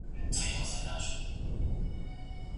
زما او ستا مينه ناک جنگ مې لا په ذهن کې دی